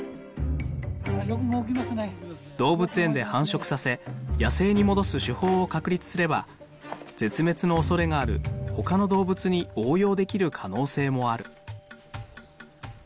動物園で繁殖させ野生に戻す手法を確立すれば絶滅の恐れがある他の動物に応用できる可能性もある。